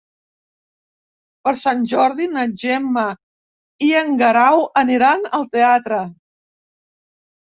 Per Sant Jordi na Gemma i en Guerau aniran al teatre.